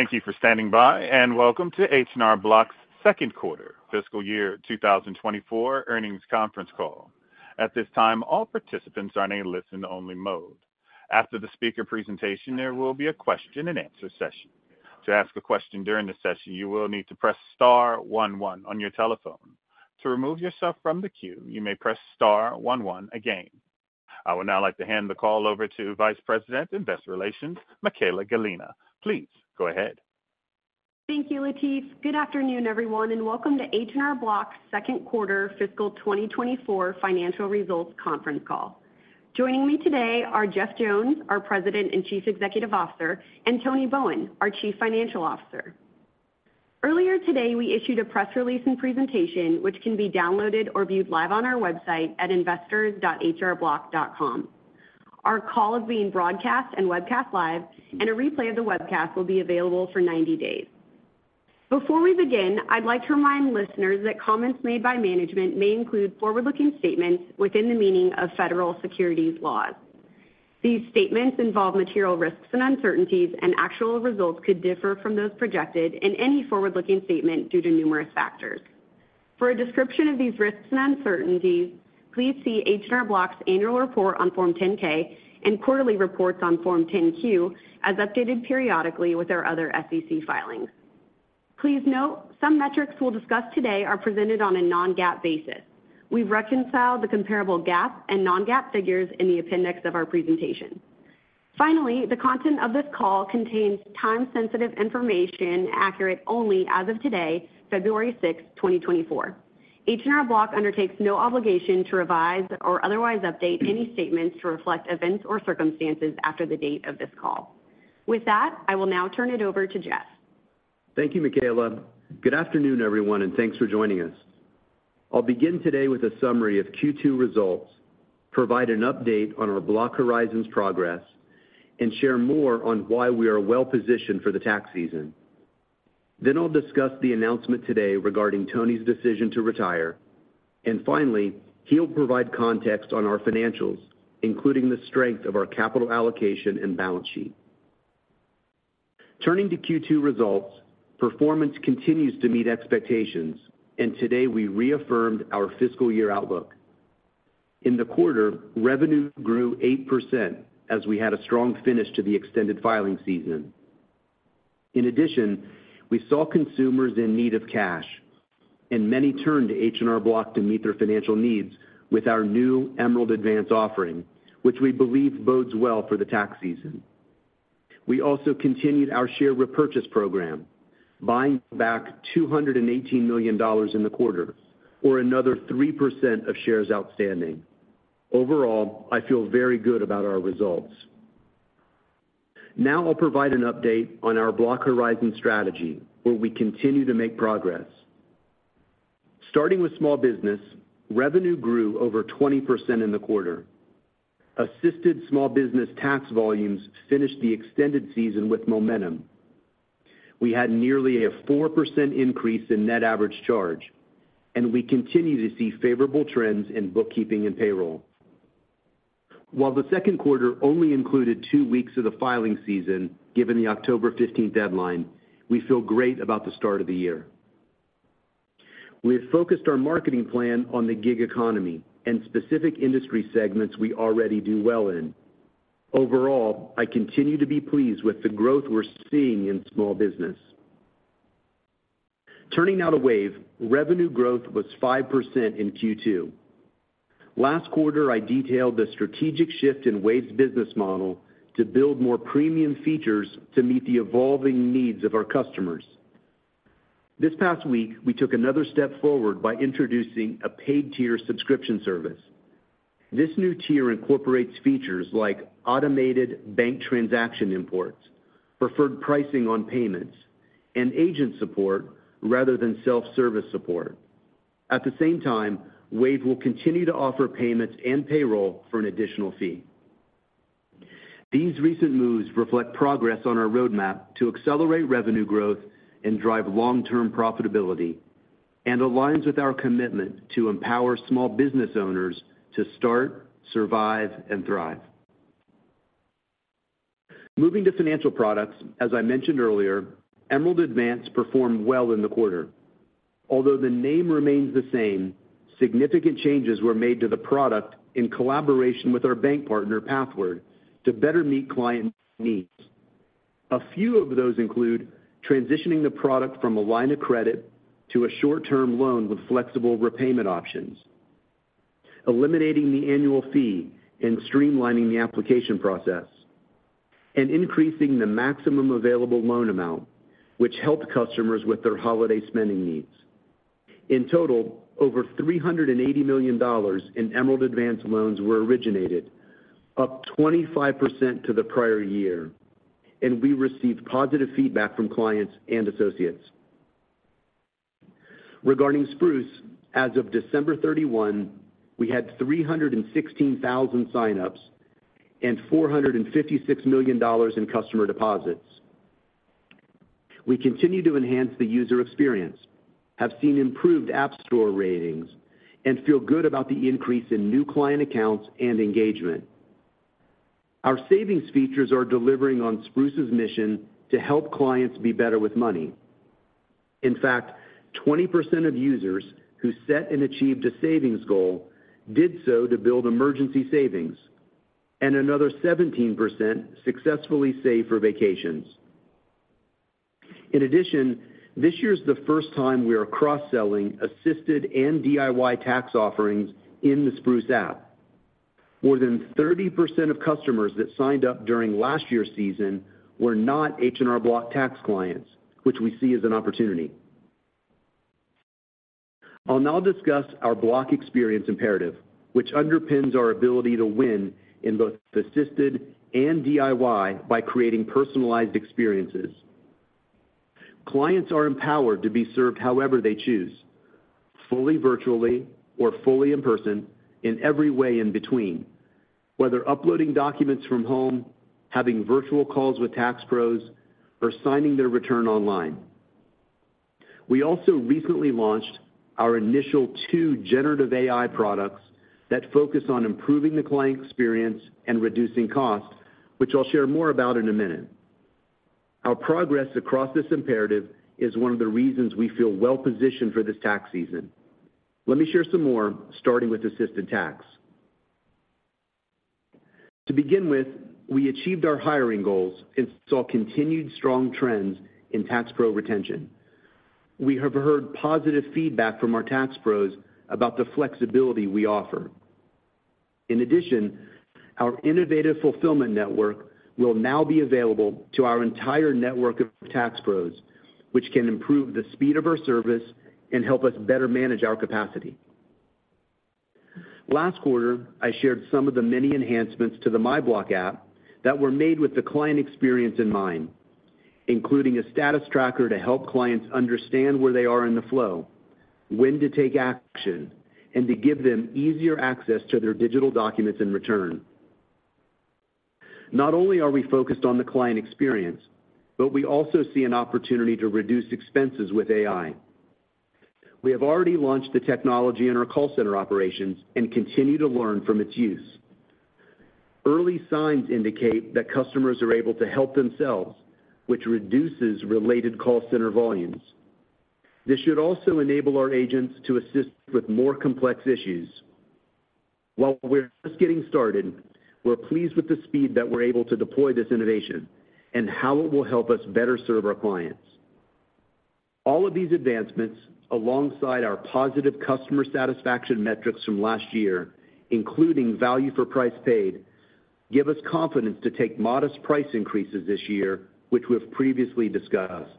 Thank you for standing by, and welcome to H&R Block's second quarter fiscal year 2024 earnings conference call. At this time, all participants are in a listen-only mode. After the speaker presentation, there will be a question-and-answer session. To ask a question during the session, you will need to press star one one on your telephone. To remove yourself from the queue, you may press star one one again. I would now like to hand the call over to Vice President, Investor Relations, Michaella Gallina. Please go ahead. Thank you, Latif. Good afternoon, everyone, and welcome to H&R Block's second quarter fiscal 2024 financial results conference call. Joining me today are Jeff Jones, our President and Chief Executive Officer, and Tony Bowen, our Chief Financial Officer. Earlier today, we issued a press release and presentation, which can be downloaded or viewed live on our website at investors.hrblock.com. Our call is being broadcast and webcast live, and a replay of the webcast will be available for 90 days. Before we begin, I'd like to remind listeners that comments made by management may include forward-looking statements within the meaning of federal securities laws. These statements involve material risks and uncertainties, and actual results could differ from those projected in any forward-looking statement due to numerous factors. For a description of these risks and uncertainties, please see H&R Block's annual report on Form 10-K and quarterly reports on Form 10-Q, as updated periodically with our other SEC filings. Please note, some metrics we'll discuss today are presented on a non-GAAP basis. We've reconciled the comparable GAAP and non-GAAP figures in the appendix of our presentation. Finally, the content of this call contains time-sensitive information, accurate only as of today, February 6, 2024. H&R Block undertakes no obligation to revise or otherwise update any statements to reflect events or circumstances after the date of this call. With that, I will now turn it over to Jeff. Thank you, Michaella. Good afternoon, everyone, and thanks for joining us. I'll begin today with a summary of Q2 results, provide an update on our Block Horizons progress, and share more on why we are well-positioned for the tax season. Then I'll discuss the announcement today regarding Tony's decision to retire, and finally, he'll provide context on our financials, including the strength of our capital allocation and balance sheet. Turning to Q2 results, performance continues to meet expectations, and today we reaffirmed our fiscal year outlook. In the quarter, revenue grew 8% as we had a strong finish to the extended filing season. In addition, we saw consumers in need of cash, and many turned to H&R Block to meet their financial needs with our new Emerald Advance offering, which we believe bodes well for the tax season. We also continued our share repurchase program, buying back $218 million in the quarter, or another 3% of shares outstanding. Overall, I feel very good about our results. Now I'll provide an update on our Block Horizons strategy, where we continue to make progress. Starting with small business, revenue grew over 20% in the quarter. Assisted small business tax volumes finished the extended season with momentum. We had nearly a 4% increase in Net Average Charge, and we continue to see favorable trends in bookkeeping and payroll. While the second quarter only included two weeks of the filing season, given the October fifteenth deadline, we feel great about the start of the year. We have focused our marketing plan on the gig economy and specific industry segments we already do well in. Overall, I continue to be pleased with the growth we're seeing in small business. Turning now to Wave, revenue growth was 5% in Q2. Last quarter, I detailed the strategic shift in Wave's business model to build more premium features to meet the evolving needs of our customers. This past week, we took another step forward by introducing a paid-tier subscription service. This new tier incorporates features like automated bank transaction imports, preferred pricing on payments, and agent support rather than self-service support. At the same time, Wave will continue to offer payments and payroll for an additional fee. These recent moves reflect progress on our roadmap to accelerate revenue growth and drive long-term profitability and aligns with our commitment to empower small business owners to start, survive, and thrive. Moving to financial products, as I mentioned earlier, Emerald Advance performed well in the quarter. Although the name remains the same, significant changes were made to the product in collaboration with our bank partner, Pathward, to better meet client needs. A few of those include transitioning the product from a line of credit to a short-term loan with flexible repayment options, eliminating the annual fee and streamlining the application process, and increasing the maximum available loan amount, which helped customers with their holiday spending needs. In total, over $380 million in Emerald Advance loans were originated, up 25% to the prior year, and we received positive feedback from clients and associates. Regarding Spruce, as of December 31, we had 316,000 sign-ups and $456 million in customer deposits. We continue to enhance the user experience, have seen improved App Store ratings, and feel good about the increase in new client accounts and engagement.... Our savings features are delivering on Spruce's mission to help clients be better with money. In fact, 20% of users who set and achieved a savings goal did so to build emergency savings, and another 17% successfully saved for vacations. In addition, this year's the first time we are cross-selling assisted and DIY tax offerings in the Spruce app. More than 30% of customers that signed up during last year's season were not H&R Block tax clients, which we see as an opportunity. I'll now discuss our Block experience imperative, which underpins our ability to win in both assisted and DIY by creating personalized experiences. Clients are empowered to be served however they choose, fully, virtually, or fully in person, in every way in between, whether uploading documents from home, having virtual calls with tax pros, or signing their return online. We also recently launched our initial two generative AI products that focus on improving the client experience and reducing costs, which I'll share more about in a minute. Our progress across this imperative is one of the reasons we feel well positioned for this tax season. Let me share some more, starting with Assisted Tax. To begin with, we achieved our hiring goals and saw continued strong trends in tax pro retention. We have heard positive feedback from our tax pros about the flexibility we offer. In addition, our innovative fulfillment network will now be available to our entire network of tax pros, which can improve the speed of our service and help us better manage our capacity. Last quarter, I shared some of the many enhancements to the MyBlock app that were made with the client experience in mind, including a status tracker to help clients understand where they are in the flow, when to take action, and to give them easier access to their digital documents and return. Not only are we focused on the client experience, but we also see an opportunity to reduce expenses with AI. We have already launched the technology in our call center operations and continue to learn from its use. Early signs indicate that customers are able to help themselves, which reduces related call center volumes. This should also enable our agents to assist with more complex issues. While we're just getting started, we're pleased with the speed that we're able to deploy this innovation and how it will help us better serve our clients. All of these advancements, alongside our positive customer satisfaction metrics from last year, including value for price paid, give us confidence to take modest price increases this year, which we have previously discussed.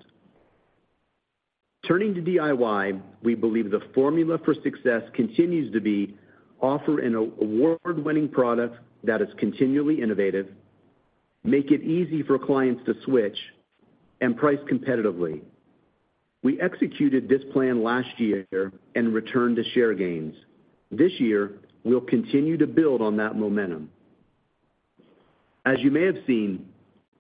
Turning to DIY, we believe the formula for success continues to be offer an award-winning product that is continually innovative, make it easy for clients to switch, and price competitively. We executed this plan last year and returned to share gains. This year, we'll continue to build on that momentum. As you may have seen,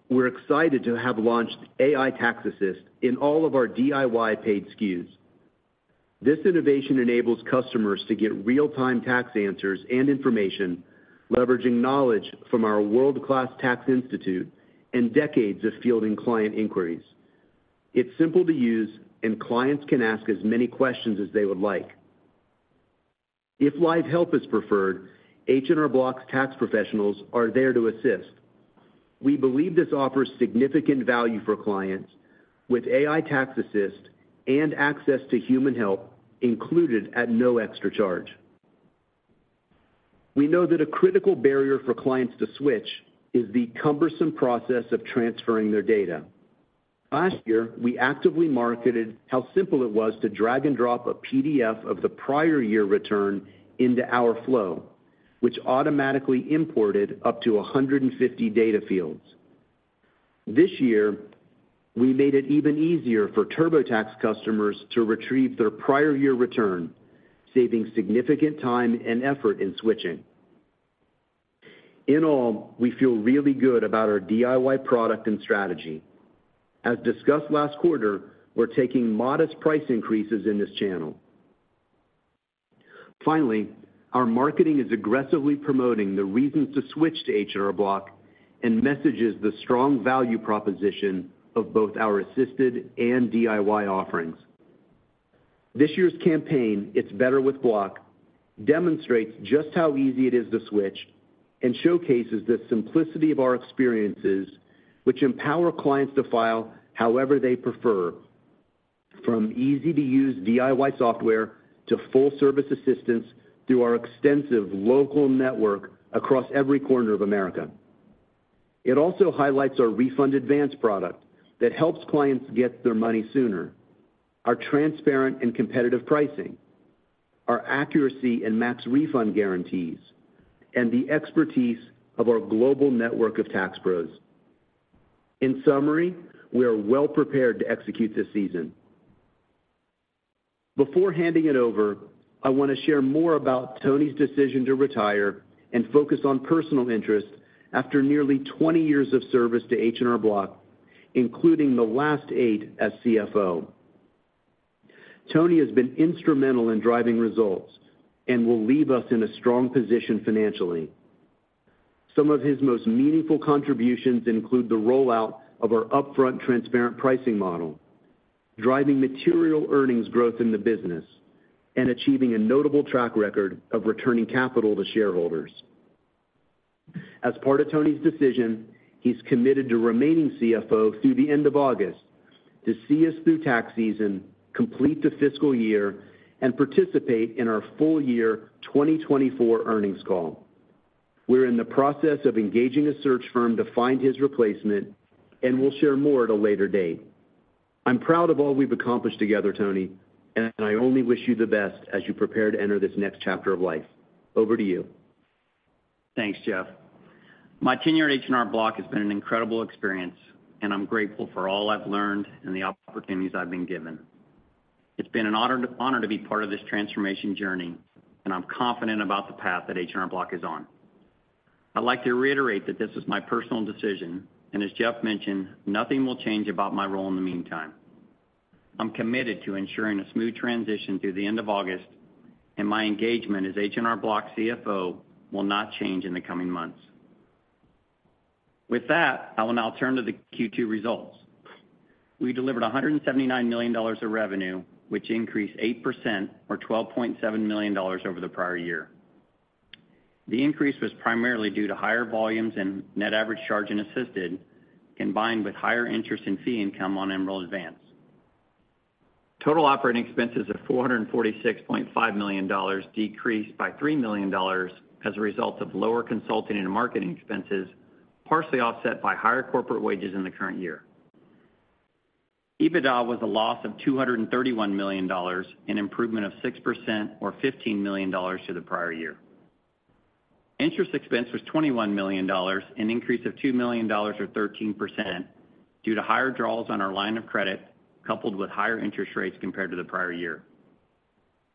we're excited to have launched AI Tax Assist in all of our DIY paid SKUs. This innovation enables customers to get real-time tax answers and information, leveraging knowledge from our world-class tax institute and decades of fielding client inquiries. It's simple to use, and clients can ask as many questions as they would like. If live help is preferred, H&R Block's tax professionals are there to assist. We believe this offers significant value for clients with AI Tax Assist and access to human help included at no extra charge. We know that a critical barrier for clients to switch is the cumbersome process of transferring their data. Last year, we actively marketed how simple it was to drag and drop a PDF of the prior year return into our flow, which automatically imported up to 150 data fields. This year, we made it even easier for TurboTax customers to retrieve their prior year return, saving significant time and effort in switching. In all, we feel really good about our DIY product and strategy. As discussed last quarter, we're taking modest price increases in this channel. Finally, our marketing is aggressively promoting the reasons to switch to H&R Block and messages the strong value proposition of both our assisted and DIY offerings. This year's campaign, It's Better with Block, demonstrates just how easy it is to switch and showcases the simplicity of our experiences, which empower clients to file however they prefer, from easy-to-use DIY software to full service assistance through our extensive local network across every corner of America. It also highlights our Refund Advance product that helps clients get their money sooner, our transparent and competitive pricing, our accuracy and Max Refund guarantees, and the expertise of our global network of tax pros. In summary, we are well prepared to execute this season. Before handing it over, I want to share more about Tony's decision to retire and focus on personal interests after nearly 20 years of service to H&R Block, including the last 8 as CFO. Tony has been instrumental in driving results and will leave us in a strong position financially. Some of his most meaningful contributions include the rollout of our upfront, transparent pricing model, driving material earnings growth in the business, and achieving a notable track record of returning capital to shareholders. As part of Tony's decision, he's committed to remaining CFO through the end of August to see us through tax season, complete the fiscal year, and participate in our full year 2024 earnings call. We're in the process of engaging a search firm to find his replacement, and we'll share more at a later date. I'm proud of all we've accomplished together, Tony, and I only wish you the best as you prepare to enter this next chapter of life. Over to you. Thanks, Jeff. My tenure at H&R Block has been an incredible experience, and I'm grateful for all I've learned and the opportunities I've been given. It's been an honor to be part of this transformation journey, and I'm confident about the path that H&R Block is on. I'd like to reiterate that this is my personal decision, and as Jeff mentioned, nothing will change about my role in the meantime. I'm committed to ensuring a smooth transition through the end of August, and my engagement as H&R Block's CFO will not change in the coming months. With that, I will now turn to the Q2 results. We delivered $179 million of revenue, which increased 8%, or $12.7 million over the prior year. The increase was primarily due to higher volumes and net average charge in Assisted, combined with higher interest in fee income on Emerald Advance. Total operating expenses of $446.5 million decreased by $3 million, as a result of lower consulting and marketing expenses, partially offset by higher corporate wages in the current year. EBITDA was a loss of $231 million, an improvement of 6% or $15 million to the prior year. Interest expense was $21 million, an increase of $2 million, or 13%, due to higher draws on our line of credit, coupled with higher interest rates compared to the prior year.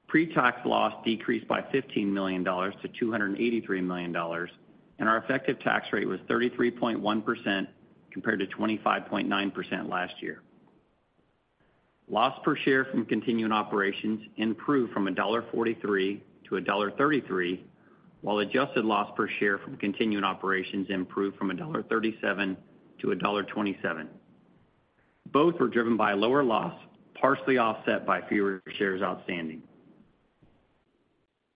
Pre-tax loss decreased by $15 million to $283 million, and our effective tax rate was 33.1%, compared to 25.9% last year. Loss per share from continuing operations improved from $1.43 to $1.33, while adjusted loss per share from continuing operations improved from $1.37 to $1.27. Both were driven by a lower loss, partially offset by fewer shares outstanding.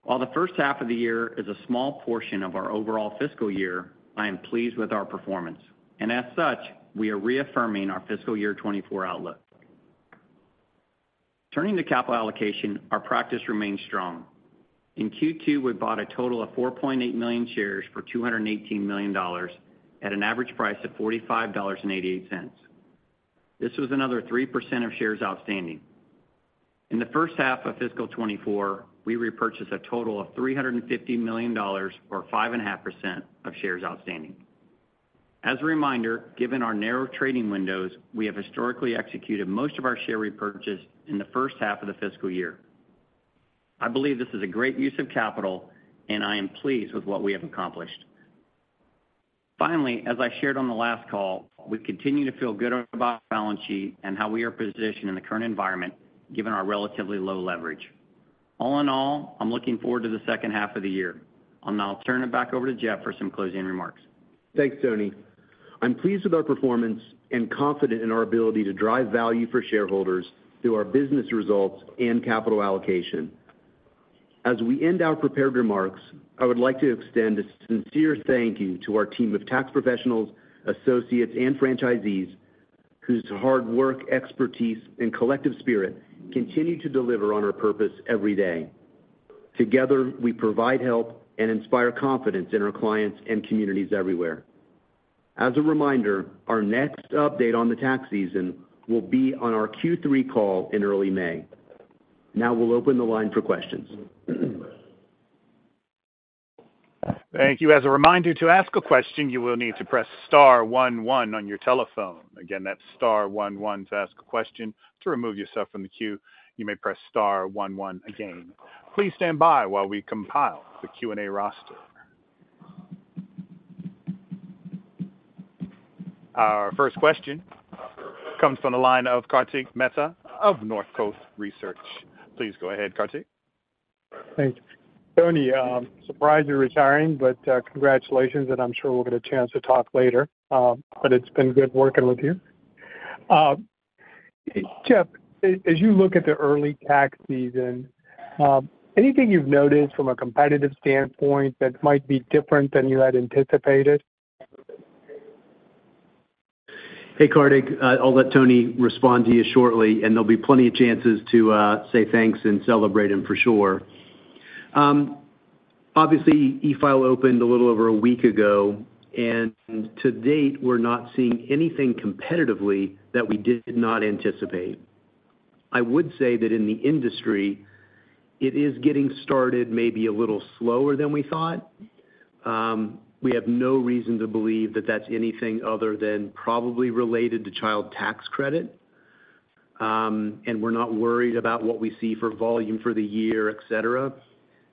While the first half of the year is a small portion of our overall fiscal year, I am pleased with our performance, and as such, we are reaffirming our fiscal 2024 outlook. Turning to capital allocation, our practice remains strong. In Q2, we bought a total of 4.8 million shares for $218 million, at an average price of $45.88. This was another 3% of shares outstanding. In the first half of fiscal 2024, we repurchased a total of $350 million, or 5.5%, of shares outstanding. As a reminder, given our narrow trading windows, we have historically executed most of our share repurchase in the first half of the fiscal year. I believe this is a great use of capital, and I am pleased with what we have accomplished. Finally, as I shared on the last call, we continue to feel good about our balance sheet and how we are positioned in the current environment, given our relatively low leverage. All in all, I'm looking forward to the second half of the year. I'll now turn it back over to Jeff for some closing remarks. Thanks, Tony. I'm pleased with our performance and confident in our ability to drive value for shareholders through our business results and capital allocation. As we end our prepared remarks, I would like to extend a sincere thank you to our team of tax professionals, associates, and franchisees, whose hard work, expertise, and collective spirit continue to deliver on our purpose every day. Together, we provide help and inspire confidence in our clients and communities everywhere. As a reminder, our next update on the tax season will be on our Q3 call in early May. Now we'll open the line for questions. Thank you. As a reminder, to ask a question, you will need to press star one one on your telephone. Again, that's star one one to ask a question. To remove yourself from the queue, you may press star one one again. Please stand by while we compile the Q&A roster. Our first question comes from the line of Kartik Mehta of Northcoast Research. Please go ahead, Kartik. Thanks. Tony, surprised you're retiring, but, congratulations, and I'm sure we'll get a chance to talk later. But it's been good working with you. Jeff, as you look at the early tax season, anything you've noticed from a competitive standpoint that might be different than you had anticipated? Hey, Kartik, I'll let Tony respond to you shortly, and there'll be plenty of chances to say thanks and celebrate him for sure. Obviously, E-file opened a little over a week ago, and to date, we're not seeing anything competitively that we did not anticipate. I would say that in the industry, it is getting started maybe a little slower than we thought. We have no reason to believe that that's anything other than probably related to Child Tax Credit. And we're not worried about what we see for volume for the year, et cetera.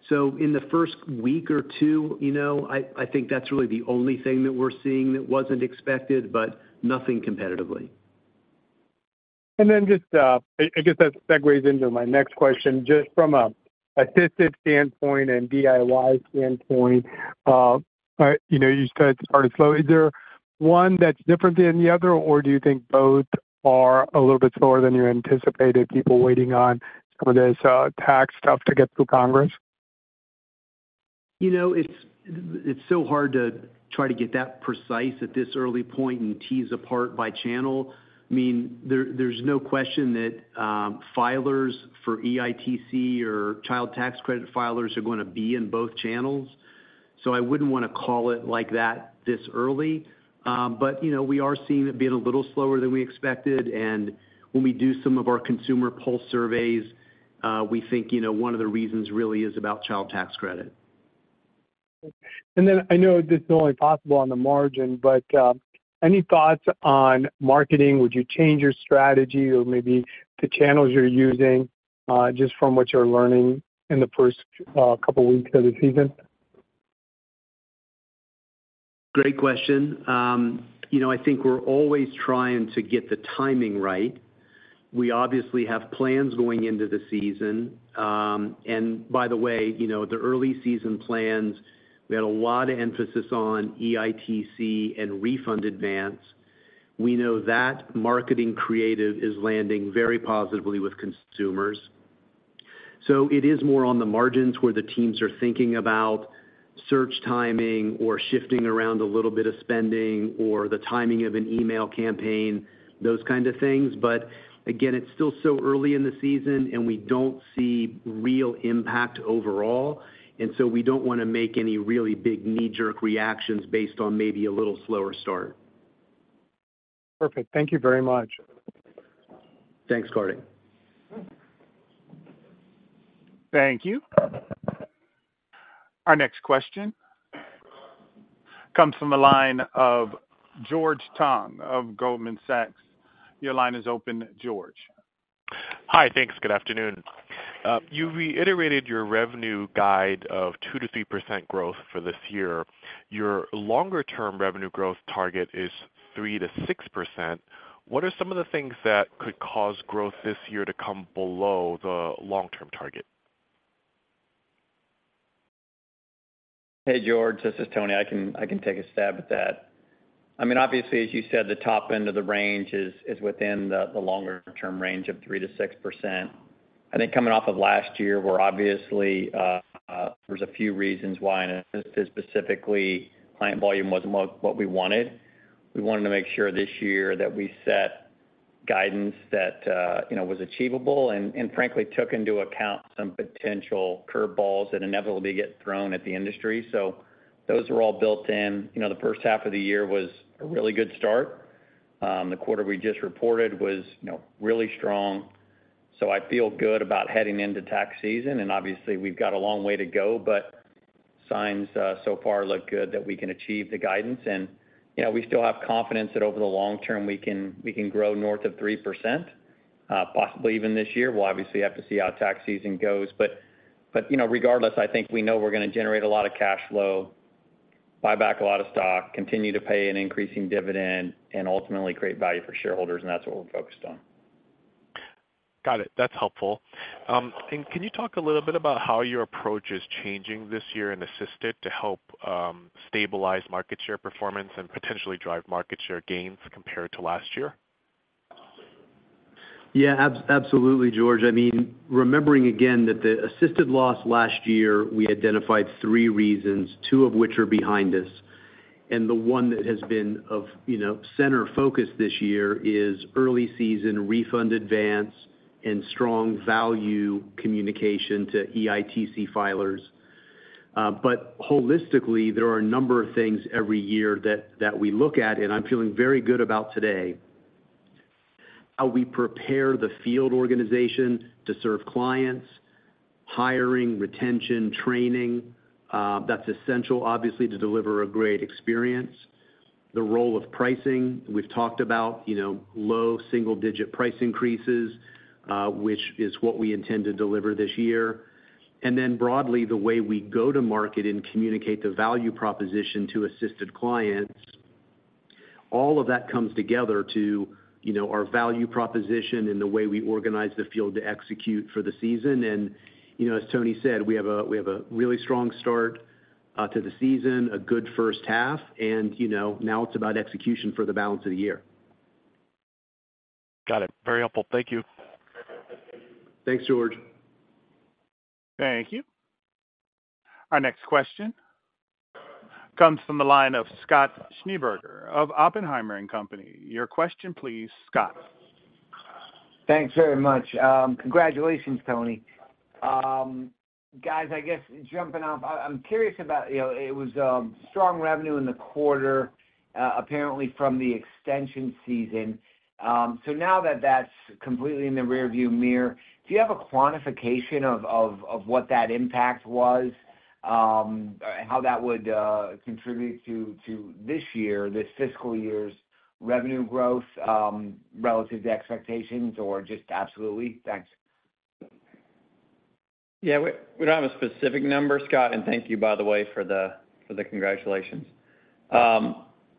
So in the first week or two, you know, I think that's really the only thing that we're seeing that wasn't expected, but nothing competitively. And then just, I guess that segues into my next question. Just from an Assisted standpoint and DIY standpoint, you know, you said it started slowly. Is there one that's different than the other? Or do you think both are a little bit slower than you anticipated, people waiting on some of this tax stuff to get through Congress? You know, it's so hard to try to get that precise at this early point and tease apart by channel. I mean, there's no question that filers for EITC or Child Tax Credit filers are gonna be in both channels. So I wouldn't wanna call it like that this early. But you know, we are seeing it being a little slower than we expected, and when we do some of our consumer pulse surveys, we think, you know, one of the reasons really is about Child Tax Credit. And then I know this is only possible on the margin, but, any thoughts on marketing? Would you change your strategy or maybe the channels you're using, just from what you're learning in the first, couple of weeks of the season? Great question. You know, I think we're always trying to get the timing right. We obviously have plans going into the season. By the way, you know, the early season plans, we had a lot of emphasis on EITC and Refund Advance. We know that marketing creative is landing very positively with consumers. So it is more on the margins where the teams are thinking about search timing or shifting around a little bit of spending or the timing of an email campaign, those kinds of things. But again, it's still so early in the season, and we don't see real impact overall, and so we don't wanna make any really big knee-jerk reactions based on maybe a little slower start. Perfect. Thank you very much. Thanks, Kartik. Thank you. Our next question comes from the line of George Tong of Goldman Sachs. Your line is open, George. Hi, thanks. Good afternoon. You reiterated your revenue guide of 2%-3% growth for this year. Your longer term revenue growth target is 3%-6%. What are some of the things that could cause growth this year to come below the long-term target? Hey, George, this is Tony. I can, I can take a stab at that. I mean, obviously, as you said, the top end of the range is, is within the, the longer term range of 3%-6%. I think coming off of last year, where obviously, there's a few reasons why, and specifically, client volume wasn't what, what we wanted. We wanted to make sure this year that we set guidance that, you know, was achievable and, and frankly, took into account some potential curve balls that inevitably get thrown at the industry. So those were all built in. You know, the first half of the year was a really good start. The quarter we just reported was, you know, really strong. So I feel good about heading into tax season, and obviously, we've got a long way to go, but signs so far look good that we can achieve the guidance. And, you know, we still have confidence that over the long term, we can, we can grow north of 3%, possibly even this year. We'll obviously have to see how tax season goes, but, you know, regardless, I think we know we're gonna generate a lot of cash flow, buy back a lot of stock, continue to pay an increasing dividend, and ultimately create value for shareholders, and that's what we're focused on. Got it. That's helpful. Can you talk a little bit about how your approach is changing this year in Assisted to help stabilize market share performance and potentially drive market share gains compared to last year? Yeah, absolutely, George. I mean, remembering again that the Assisted loss last year, we identified three reasons, two of which are behind us. And the one that has been of, you know, center focus this year is early season Refund Advance and strong value communication to EITC filers. But holistically, there are a number of things every year that, that we look at, and I'm feeling very good about today. How we prepare the field organization to serve clients, hiring, retention, training, that's essential, obviously, to deliver a great experience. The role of pricing, we've talked about, you know, low single digit price increases, which is what we intend to deliver this year. And then broadly, the way we go to market and communicate the value proposition to Assisted clients. All of that comes together to, you know, our value proposition and the way we organize the field to execute for the season. And, you know, as Tony said, we have a really strong start to the season, a good first half, and, you know, now it's about execution for the balance of the year. Got it. Very helpful. Thank you. Thanks, George. Thank you. Our next question comes from the line of Scott Schneeberger of Oppenheimer & Company. Your question, please, Scott. Thanks very much. Congratulations, Tony. Guys, I guess jumping off, I'm curious about, you know, it was strong revenue in the quarter, apparently from the extension season. So now that that's completely in the rearview mirror, do you have a quantification of what that impact was?... how that would contribute to this year, this fiscal year's revenue growth, relative to expectations or just absolutely? Thanks. Yeah, we don't have a specific number, Scott, and thank you, by the way, for the congratulations.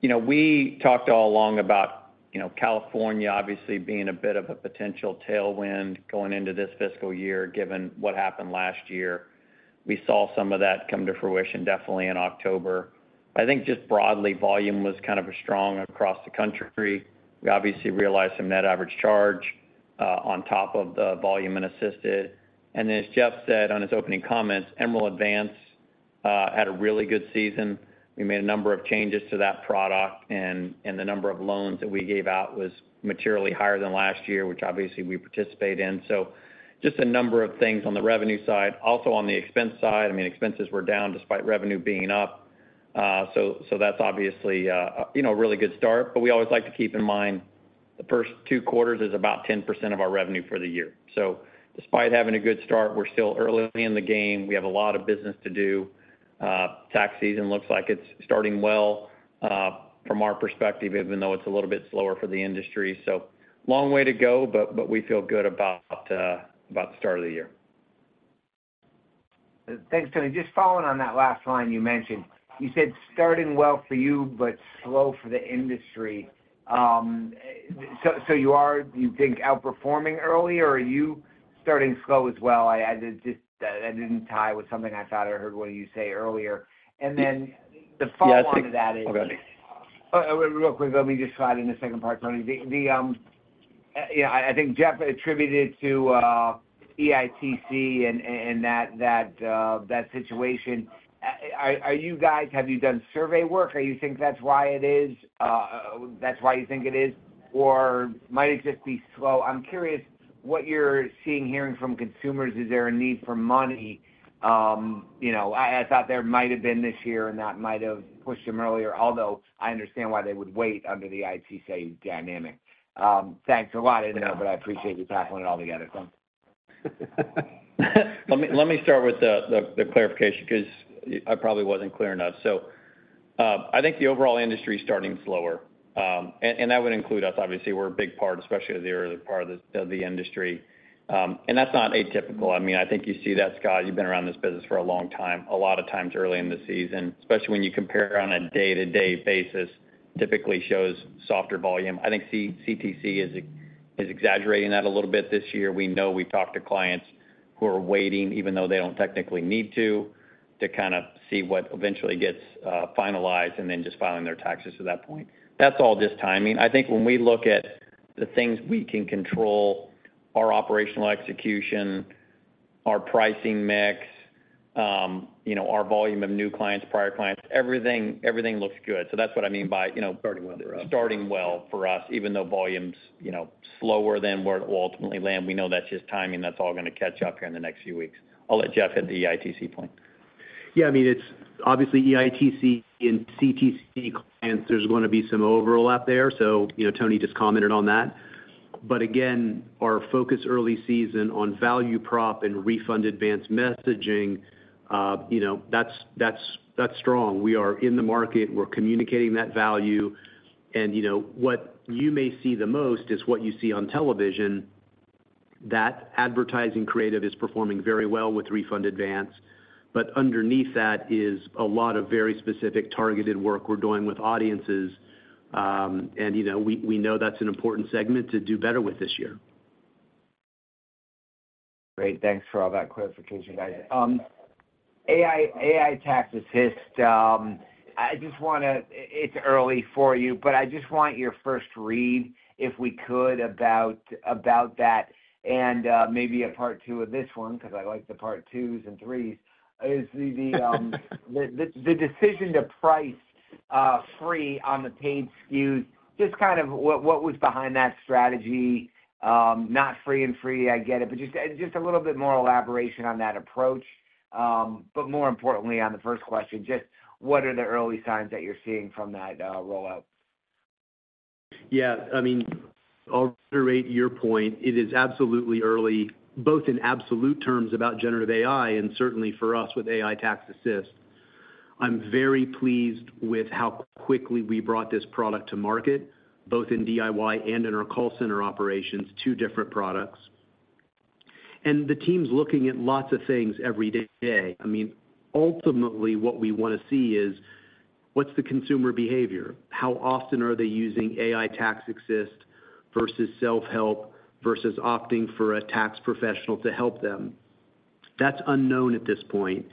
You know, we talked all along about, you know, California obviously being a bit of a potential tailwind going into this fiscal year, given what happened last year. We saw some of that come to fruition, definitely in October. I think just broadly, volume was kind of strong across the country. We obviously realized some net average charge on top of the volume and assisted. And then as Jeff said on his opening comments, Emerald Advance had a really good season. We made a number of changes to that product, and the number of loans that we gave out was materially higher than last year, which obviously we participate in. So just a number of things on the revenue side. Also on the expense side, I mean, expenses were down despite revenue being up. So, so that's obviously, you know, a really good start. But we always like to keep in mind, the first two quarters is about 10% of our revenue for the year. So despite having a good start, we're still early in the game. We have a lot of business to do. Tax season looks like it's starting well, from our perspective, even though it's a little bit slower for the industry. So long way to go, but, but we feel good about, about the start of the year. Thanks, Tony. Just following on that last line you mentioned. You said, starting well for you, but slow for the industry. So, you are, you think outperforming early, or are you starting slow as well? I just-- that didn't tie with something I thought I heard what you say earlier. And then the follow-on to that is- Go ahead. Real quick, let me just slide in the second part, Tony. Yeah, I think Jeff attributed to EITC and that situation. Are you guys, have you done survey work? Or you think that's why it is, or might it just be slow? I'm curious what you're seeing, hearing from consumers. Is there a need for money? You know, I thought there might have been this year, and that might have pushed them earlier, although I understand why they would wait under the EITC dynamic. Thanks a lot, but I appreciate you tackling it all together, so. Let me start with the clarification because I probably wasn't clear enough. So, I think the overall industry is starting slower, and that would include us. Obviously, we're a big part, especially of the early part of the industry. And that's not atypical. I mean, I think you see that, Scott. You've been around this business for a long time. A lot of times early in the season, especially when you compare on a day-to-day basis, typically shows softer volume. I think CTC is exaggerating that a little bit this year. We know we've talked to clients who are waiting, even though they don't technically need to, to kind of see what eventually gets finalized and then just filing their taxes at that point. That's all just timing. I think when we look at the things we can control, our operational execution, our pricing mix, you know, our volume of new clients, prior clients, everything, everything looks good. So that's what I mean by, you know- Starting well. Starting well for us, even though volume's, you know, slower than where it'll ultimately land. We know that's just timing. That's all gonna catch up here in the next few weeks. I'll let Jeff hit the EITC point. Yeah, I mean, it's obviously EITC and CTC clients, there's gonna be some overlap there. So, you know, Tony just commented on that. But again, our focus early season on value prop and Refund Advance messaging, you know, that's, that's, that's strong. We are in the market. We're communicating that value. And you know, what you may see the most is what you see on television. That advertising creative is performing very well with Refund Advance. But underneath that is a lot of very specific, targeted work we're doing with audiences. And you know, we, we know that's an important segment to do better with this year. Great. Thanks for all that clarification, guys. AI, AI Tax Assist. I just wanna... It's early for you, but I just want your first read, if we could, about, about that and, maybe a part two of this one, 'cause I like the part twos and threes. Is the decision to price free on the paid SKUs, just kind of what was behind that strategy? Not free and free, I get it, but just a little bit more elaboration on that approach. But more importantly, on the first question, just what are the early signs that you're seeing from that rollout? Yeah, I mean, I'll reiterate your point. It is absolutely early, both in absolute terms about generative AI, and certainly for us with AI Tax Assist. I'm very pleased with how quickly we brought this product to market, both in DIY and in our call center operations, two different products. And the team's looking at lots of things every day. I mean, ultimately, what we wanna see is: What's the consumer behavior? How often are they using AI Tax Assist versus self-help, versus opting for a tax professional to help them? That's unknown at this point.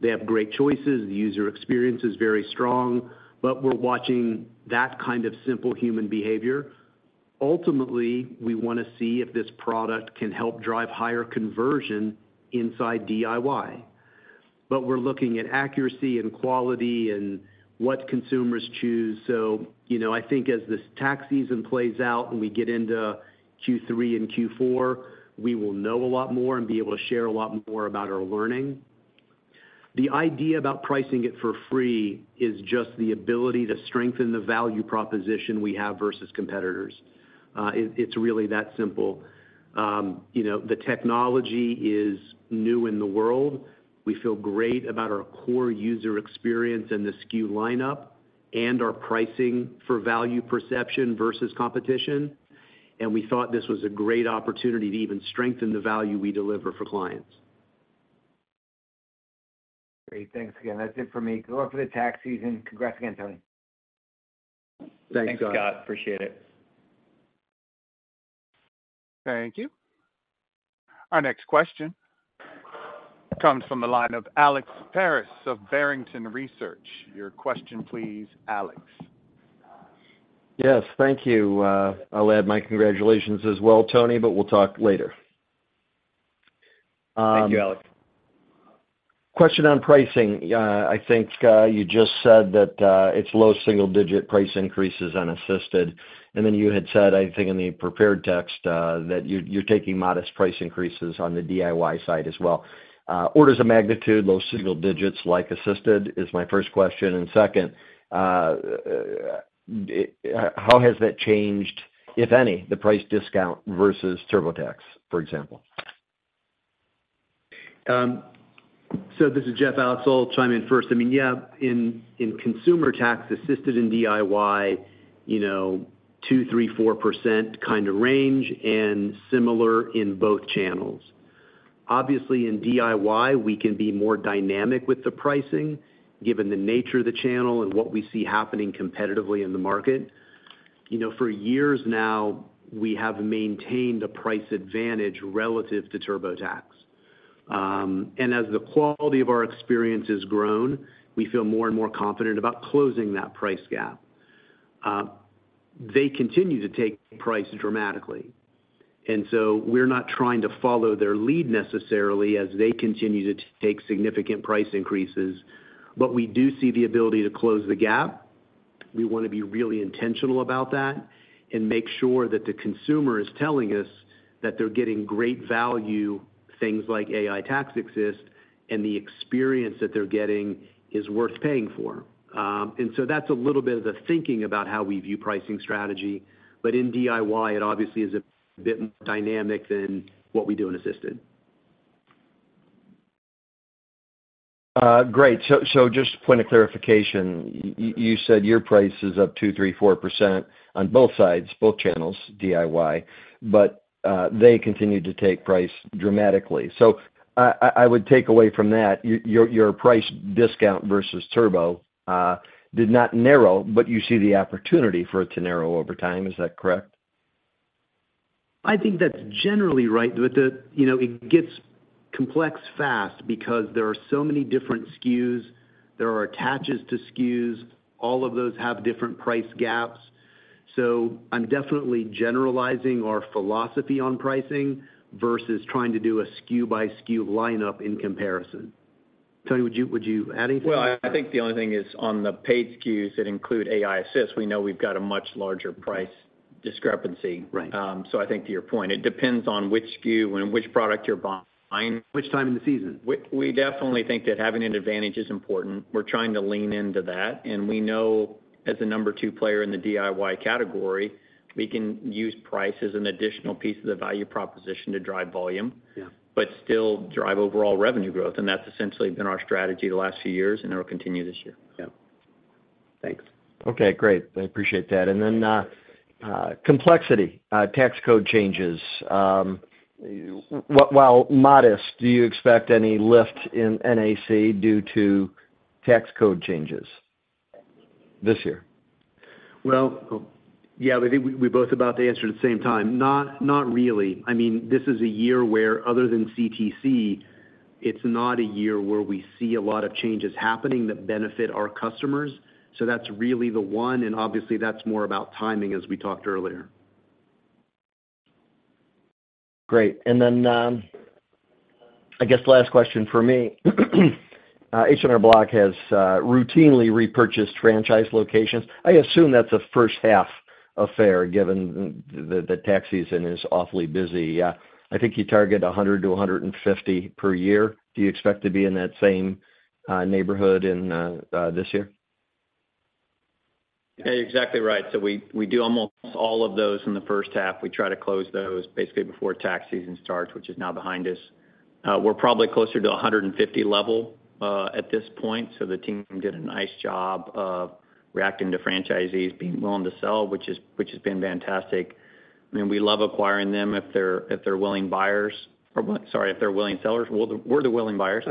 They have great choices. The user experience is very strong, but we're watching that kind of simple human behavior. Ultimately, we wanna see if this product can help drive higher conversion inside DIY. But we're looking at accuracy and quality and what consumers choose. So you know, I think as this tax season plays out and we get into Q3 and Q4, we will know a lot more and be able to share a lot more about our learning. The idea about pricing it for free is just the ability to strengthen the value proposition we have versus competitors. It's really that simple. You know, the technology is new in the world. We feel great about our core user experience and the SKU lineup... and our pricing for value perception versus competition, and we thought this was a great opportunity to even strengthen the value we deliver for clients. Great. Thanks again. That's it for me. Good luck for the tax season. Congrats again, Tony. Thanks, Scott. Thanks, Scott. Appreciate it. Thank you. Our next question comes from the line of Alex Paris of Barrington Research. Your question, please, Alex. Yes, thank you. I'll add my congratulations as well, Tony, but we'll talk later. Thank you, Alex. Question on pricing. I think, Scott, you just said that it's low single-digit price increases on Assisted, and then you had said, I think in the prepared text, that you're taking modest price increases on the DIY side as well. Orders of magnitude, low single digits, like Assisted, is my first question. And second, how has that changed, if any, the price discount versus TurboTax, for example? So this is Jeff. I'll chime in first. I mean, yeah, in consumer tax, Assisted and DIY, you know, 2%-4% kind of range and similar in both channels. Obviously, in DIY, we can be more dynamic with the pricing, given the nature of the channel and what we see happening competitively in the market. You know, for years now, we have maintained a price advantage relative to TurboTax. And as the quality of our experience has grown, we feel more and more confident about closing that price gap. They continue to take price dramatically, and so we're not trying to follow their lead necessarily as they continue to take significant price increases. But we do see the ability to close the gap. We wanna be really intentional about that and make sure that the consumer is telling us that they're getting great value, things like AI Tax Assist, and the experience that they're getting is worth paying for. And so that's a little bit of the thinking about how we view pricing strategy, but in DIY, it obviously is a bit more dynamic than what we do in Assisted. Great. So just a point of clarification, you said your price is up 2%-4% on both sides, both channels, DIY, but they continue to take price dramatically. So I would take away from that, your price discount versus Turbo did not narrow, but you see the opportunity for it to narrow over time. Is that correct? I think that's generally right, but... You know, it gets complex fast because there are so many different SKUs. There are attaches to SKUs. All of those have different price gaps. So I'm definitely generalizing our philosophy on pricing versus trying to do a SKU by SKU lineup in comparison. Tony, would you, would you add anything? Well, I think the only thing is on the paid SKUs that include AI Assist, we know we've got a much larger price discrepancy. Right. So, I think to your point, it depends on which SKU and which product you're buying. Which time in the season? We definitely think that having an advantage is important. We're trying to lean into that, and we know as the number two player in the DIY category, we can use price as an additional piece of the value proposition to drive volume. Yeah... but still drive overall revenue growth, and that's essentially been our strategy the last few years, and it will continue this year. Yeah. Thanks. Okay, great. I appreciate that. And then, complexity, tax code changes. What, while modest, do you expect any lift in NAC due to tax code changes this year? Well, yeah, we both about to answer at the same time. Not really. I mean, this is a year where, other than CTC, it's not a year where we see a lot of changes happening that benefit our customers. So that's really the one, and obviously, that's more about timing, as we talked earlier. Great. And then, I guess last question for me. H&R Block has routinely repurchased franchise locations. I assume that's a first half affair, given that the tax season is awfully busy. I think you target 100 to 150 per year. Do you expect to be in that same neighborhood in this year? Yeah, exactly right. So we do almost all of those in the first half. We try to close those basically before tax season starts, which is now behind us. We're probably closer to 150 level at this point, so the team did a nice job of reacting to franchisees being willing to sell, which has been fantastic. I mean, we love acquiring them if they're willing buyers. Or sorry, if they're willing sellers, we're the willing buyers.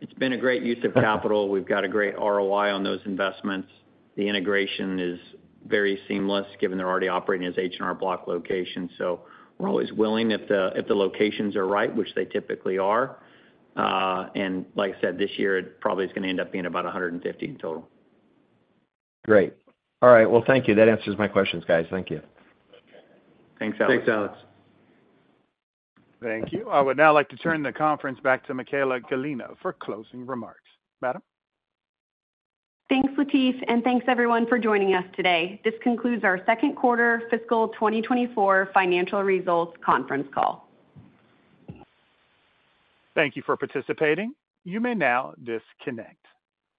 It's been a great use of capital. We've got a great ROI on those investments. The integration is very seamless, given they're already operating as H&R Block locations. So we're always willing if the locations are right, which they typically are. And like I said, this year, it probably is gonna end up being about 150 in total. Great. All right, well, thank you. That answers my questions, guys. Thank you. Okay. Thanks, Alex. Thanks, Alex. Thank you. I would now like to turn the conference back to Michaella Gallina for closing remarks. Madam? Thanks, Latif, and thanks everyone for joining us today. This concludes our second quarter fiscal 2024 financial results conference call. Thank you for participating. You may now disconnect.